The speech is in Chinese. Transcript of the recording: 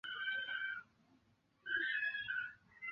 黑龙江碘泡虫为碘泡科碘泡虫属的动物。